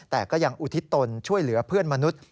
แต่ก็ยังอุทิศตนช่วยเหลือเพื่อนมนุษย์